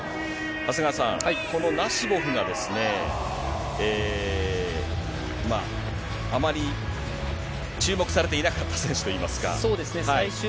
長谷川さん、このナシボフが、あまり注目されていなかった選手といいますか。